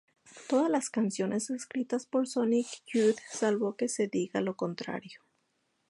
Todas las canciones escritas por Sonic Youth salvo que se diga lo contrario.